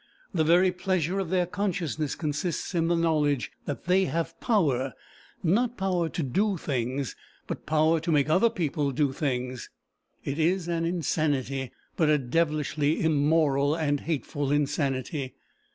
The very pleasure of their consciousness consists in the knowledge that they have power not power to do things, but power to make other people do things. It is an insanity, but a devilishly immoral and hateful insanity.